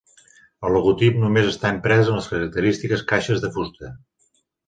El logotip només està imprès en les característiques caixes de fusta.